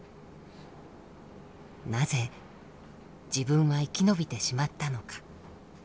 なぜ自分は生き延びてしまったのか。